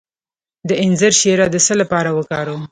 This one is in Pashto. د انځر شیره د څه لپاره وکاروم؟